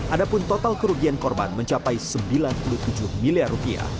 adapun total kerugian korban mencapai rp sembilan puluh tujuh miliar